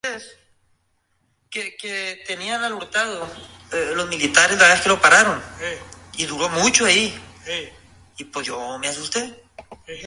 La Orden de Orange fue usada para espiar a los Irlandeses Unidos.